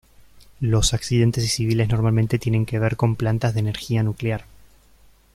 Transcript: Los accidentes y civiles normalmente tienen que ver con plantas de energía nuclear.